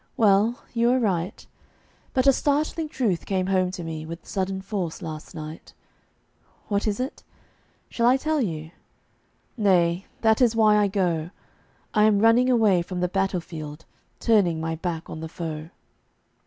Well, you are right; But a startling truth came home to me With sudden force last night. What is it? Shall I tell you? Nay, that is why I go. I am running away from the battlefield Turning my back on the foe.